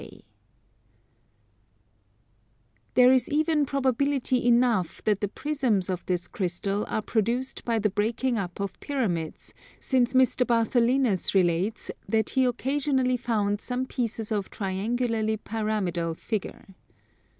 [Illustration: {Pyramid and section of spheroids}] There is even probability enough that the prisms of this crystal are produced by the breaking up of pyramids, since Mr. Bartholinus relates that he occasionally found some pieces of triangularly pyramidal figure.